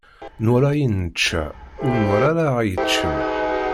Nwala ayen nečča, ur nwala ara aɣ-yeččen.